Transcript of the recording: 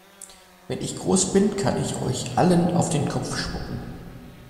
Wenn ich groß bin, kann ich euch allen auf den Kopf spucken!